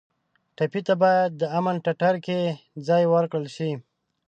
ټپي ته باید د امن ټټر کې ځای ورکړل شي.